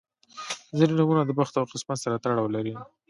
• ځینې نومونه د بخت او قسمت سره تړاو لري.